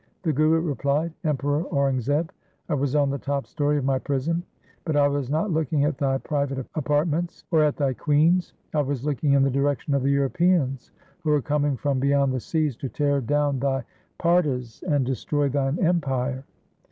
The Guru replied, ' Emperor Aurangzeb, I was on the top story of my prison, but I was not looking at thy private apart ments or at thy queens. I was looking in the direc tion of the Europeans who are coming from beyond the seas to tear down thy fardas and destroy thine empire.'